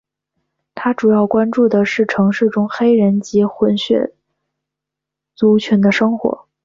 他主要关注的是城市中黑人及混血族群的生活。